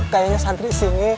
kayaknya santri sini